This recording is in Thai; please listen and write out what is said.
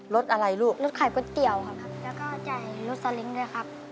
รถอะไรลูกรถขายก๋วยเตี๋ยวครับครับแล้วก็จ่ายรถสลิงค์ด้วยครับ